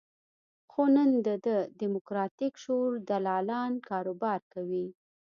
خو نن د ده د دیموکراتیک شعور دلالان کاروبار کوي.